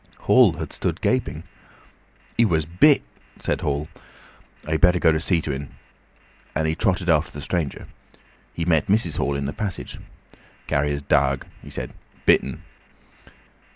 Hall had stood gaping. "He wuz bit," said Hall. "I'd better go and see to en," and he trotted after the stranger. He met Mrs. Hall in the passage. "Carrier's darg," he said "bit en."